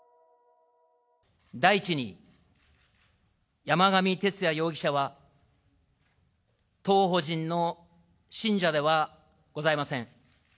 第一に山上徹也容疑者は当法人の信者ではございません。